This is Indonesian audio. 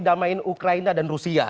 damain ukraina dan rusia